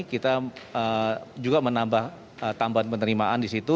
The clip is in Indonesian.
kita juga menambah tambahan penerimaan di situ